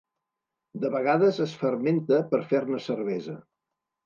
De vegades es fermenta per fer-ne cervesa.